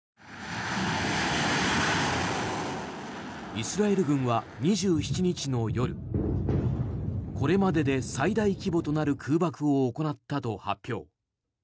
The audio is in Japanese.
イスラエル軍は２７日の夜これまでで最大規模となる空爆を行ったと発表。